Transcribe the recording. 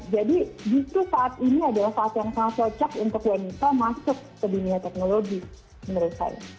jadi justru saat ini adalah saat yang sangat cocok untuk wanita masuk ke dunia teknologi menurut saya